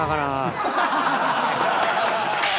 ハハハハッ！